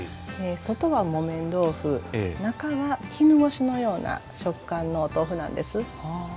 外は木綿豆腐中は絹ごしのような食感のお豆腐なんです。